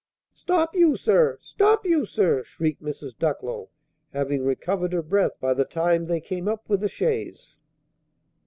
"Stop, you, sir! Stop, you, sir!" shrieked Mrs. Ducklow, having recovered her breath by the time they came up with the chaise.